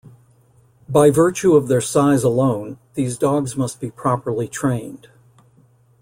By virtue of their size alone, these dogs must be properly trained.